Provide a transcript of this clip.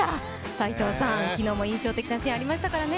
斎藤さん、昨日も印象的なシーンありましたからね。